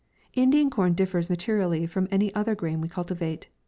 Indian corn differs materially from any other grain we cultivate.